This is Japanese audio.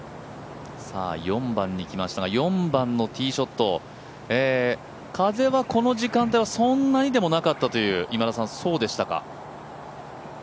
４番に来ましたが、４番のティーショット、風はこの時間帯はそんなにでもなかったという、そうでしたか？